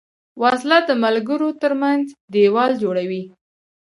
وسله د ملګرو تر منځ دیوال جوړوي